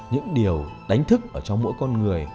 những điều đánh thức ở trong mỗi con người